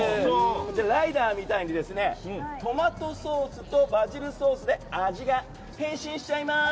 ライダーみたいにトマトソースとバジルソースで味が変身しちゃいます。